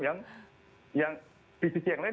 yang di sisi yang lain